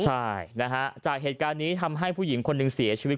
ใช่นะฮะจากเหตุการณ์นี้ทำให้ผู้หญิงคนหนึ่งเสียชีวิต